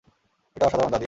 এটা অসাধারণ, দাদি।